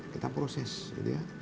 kita proses gitu ya